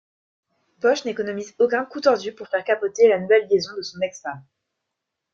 Posche n'économise aucun coup tordu pour faire capoter la nouvelle liaison de son ex-femme.